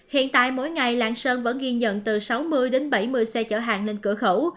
hiện tại mỗi ngày lạng sơn vẫn ghi nhận từ sáu mươi đến bảy mươi xe chở hàng lên cửa khẩu